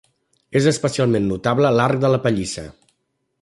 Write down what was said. És especialment notable l'arc de la pallissa.